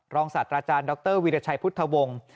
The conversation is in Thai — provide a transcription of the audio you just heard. รองศัตรย์อาจารย์ดรวิรัชัยพุทธวงศ์